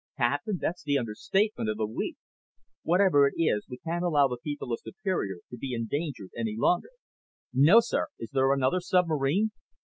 "Captain, that's the understatement of the week." "Whatever it is, we can't allow the people of Superior to be endangered any longer." "No, sir. Is there another submarine?"